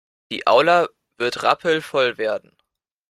Die Aula wird rappelvoll werden.